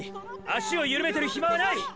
足をゆるめてるヒマはない！！